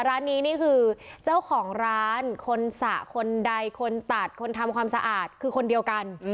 ร้านนี้นี่คือเจ้าของร้านคนสระคนใดคนตัดคนทำความสะอาดคือคนเดียวกัน